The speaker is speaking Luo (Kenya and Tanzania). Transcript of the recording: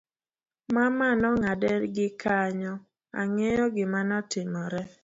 mama nong'ade gi kanyo, ang'eyo gima notimore